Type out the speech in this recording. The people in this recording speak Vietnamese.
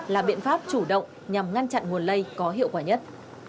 là biện pháp chủ động nhằm ngăn chặn nguồn lây có hiệu quả nhất